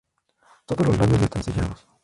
Todos los labios están sellados.